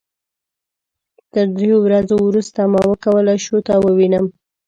تر دریو ورځو وروسته ما وکولای شو تا ووينم.